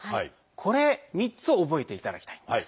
これ３つ覚えていただきたいんです。